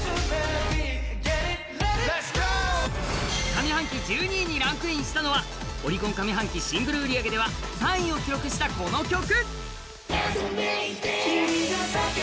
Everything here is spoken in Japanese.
上半期１２位にランクインしたのはオリコン上半期シングル売り上げでは３位を記録したこの曲。